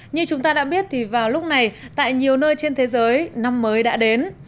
như chúng ta đã biết thì vào lúc này tại nhiều nơi trên thế giới năm mới đã đến